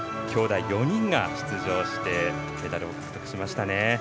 兄弟４人が出場してメダルを獲得しましたね。